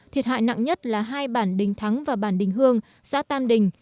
thiệt hại nặng nhất là hai bản đình thắng và bản đình hương xã tam đình